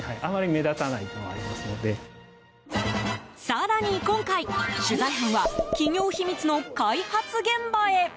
更に今回、取材班は企業秘密の開発現場へ。